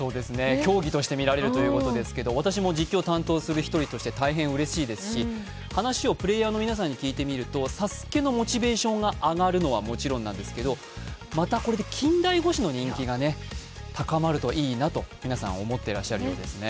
競技として見られるということですけれども、私も実況を担当する一人として大変うれしいですし、話しをプレーヤーの皆さんに聞いてみると「ＳＡＳＵＫＥ」のモチベーションが上がるのはもちろんなんですけどまたこれで近代五種の人気が高まるといいなと皆さん思ってらっしゃるようですね。